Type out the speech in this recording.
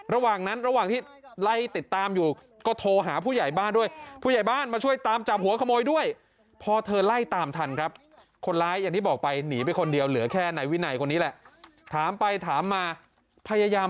ระหว่างนั้นระหว่างที่ไล่ติดตามอยู่